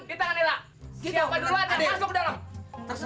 kita anila siapa duluan yang masuk